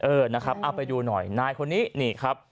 เออนะครับเอาไปดูหน่อยนายคนนี้นี่ครับ